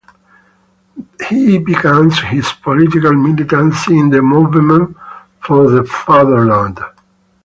He begins his political militancy in the Movement for the Fatherland.